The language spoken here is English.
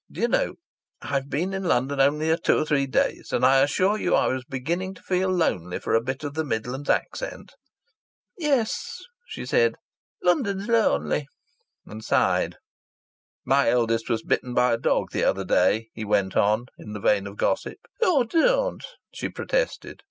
Do you know, I've been in London only a two three days, and I assure you I was beginning to feel lonely for a bit of the Midland accent!" "Yes," she said, "London's lonely!" And sighed. "My eldest was bitten by a dog the other day," he went on, in the vein of gossip. "Oh, don't!" she protested.